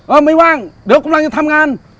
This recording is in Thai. เออไม่ว่างเดี๋ยวกำลังจะทำงาน